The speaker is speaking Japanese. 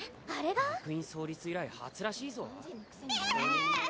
・学院創立以来初らしいぞいや！